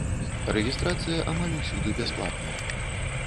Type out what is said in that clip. Рэгістрацыя амаль усюды бясплатная.